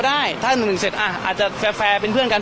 ได้ถ้าหนึ่งหนึ่งเสร็จอ่ะอาจจะแฟร์แฟร์เป็นเพื่อนกัน